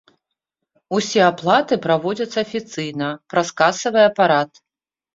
Усе аплаты праводзяцца афіцыйна, праз касавы апарат.